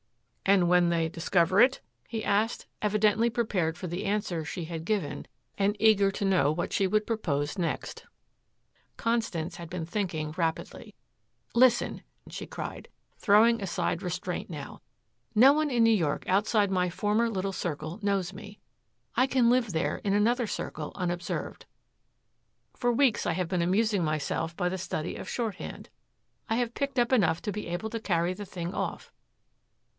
"And when they discover it?" he asked evidently prepared for the answer she had given and eager to know what she would propose next. Constance had been thinking rapidly. "Listen," she cried, throwing aside restraint now. "No one in New York outside my former little circle knows me. I can live there in another circle unobserved. For weeks I have been amusing myself by the study of shorthand. I have picked up enough to be able to carry the thing off.